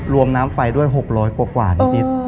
รวมน้ำไฟด้วย๖๐๐กว่านิด